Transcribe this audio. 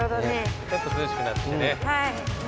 ちょっと涼しくなってきてね。